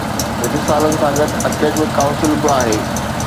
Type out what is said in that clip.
رسالن سان گڏ، اڪيڊمڪ ڪائونسل به آهي.